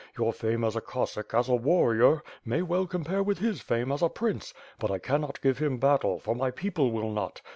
Your fame as a Cos sack, as a warrior, may well compare with his fame ds a prince; but I cannot give him battle, for my people will not.